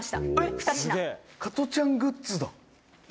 二階堂：「加トちゃんグッズだ」